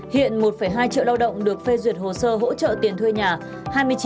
hiện một hai triệu lao động được phê duyệt hồ sơ hỗ trợ tiền thuê nhà